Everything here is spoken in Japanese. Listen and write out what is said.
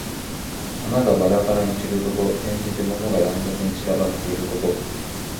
花がばらばらに散ること。転じて、物が乱雑に散らばっていること。